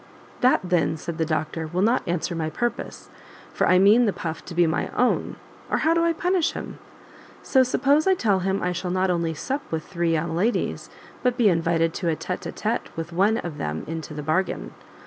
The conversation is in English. "That, then," said the doctor, "will not answer my purpose, for I mean the puff to be my own, or how do I punish him? So, suppose I tell him I shall not only sup with three young ladies, but be invited to a tete a tete with one of them into the bargain?"